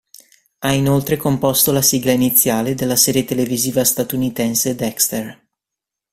Ha inoltre composto la sigla iniziale della serie televisiva statunitense "Dexter".